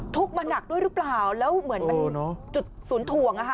ทุกข์มาหนักด้วยรึเปล่าแล้วเหมือนเออเนอะจุดสูญถ่วงอ่ะฮะ